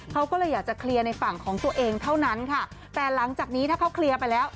เขาก็เลยอยากจะเคลียร์ในฝั่งของตัวเองเท่านั้นค่ะแต่หลังจากนี้ถ้าเขาเคลียร์ไปแล้ว